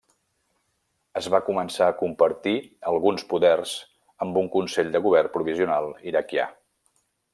Es va començar a compartir alguns poders amb un consell de govern provisional iraquià.